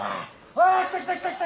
来た来た来た来た！